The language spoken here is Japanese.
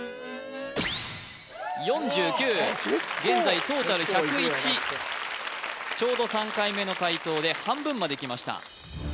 ４９現在トータル１０１ちょうど３回目の解答で半分まできました